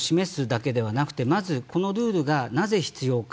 ルールを示すだけではなくてまず、このルールがなぜ必要か。